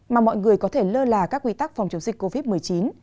mà mọi người có thể lơ là các quy tắc phòng chống dịch covid một mươi chín